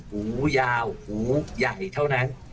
หูยาวหูใหญ่เท่านั้น